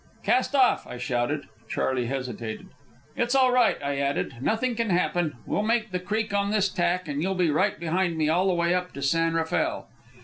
"Cast off!" I shouted. Charley hesitated. "It's all right," I added. "Nothing can happen. We'll make the creek on this tack, and you'll be right behind me all the way up to San Rafael."